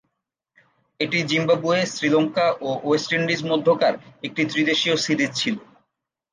এটি জিম্বাবুয়ে, শ্রীলঙ্কা ও West Indies মধ্যকার একটি ত্রিদেশীয় সিরিজ ছিল।